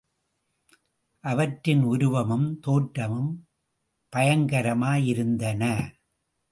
அவற்றின் உருவமும் தோற்றமும் பயங்கரமாயிருந்தன.